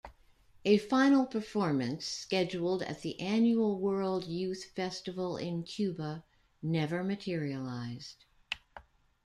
A final performance scheduled at the Annual World Youth Festival in Cuba never materialised.